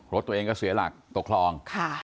รถตัวเองก็เสียหลักตกคลอง